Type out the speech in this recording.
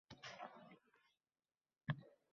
Bilarmidingiz?